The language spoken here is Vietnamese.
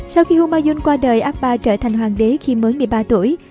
sau khi humayun qua đời akbar trở thành hoàng đế khi mới một mươi ba tuổi